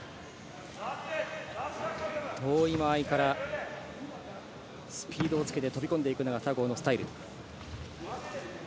遠い間合いからスピードをつけて飛び込んでいくのが佐合のスタイル。